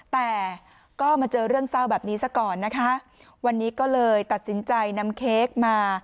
แต่ก็มาเจอเรื่องเศร้าแบบนี้ซะก่อนนะคะวันนี้ก็เลยตัดสินใจนำเค้กมา